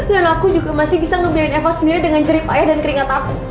dan aku juga masih bisa ngebiarin eva sendiri dengan jerip ayah dan keringat aku